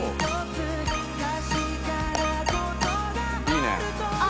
いいね。